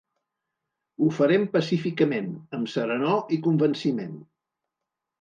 Ho farem pacíficament, amb serenor i convenciment.